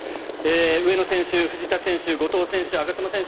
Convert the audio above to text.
上野選手、藤田選手後藤選手、我妻選手